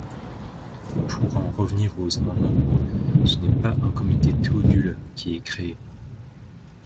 Pour en revenir aux amendements, ce n’est pas un comité Théodule qui est créé.